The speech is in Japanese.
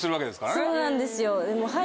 そうなんですよ。